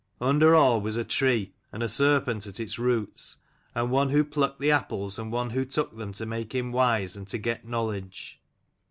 Under all was a tree, and a serpent at its roots, and one who plucked the apples, and one who took them to make him wise and to get knowledge.